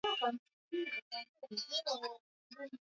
Delaware Georgia Maryland Massachusetts New Hampshire New Jersey